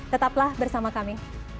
tetaplah bersama kami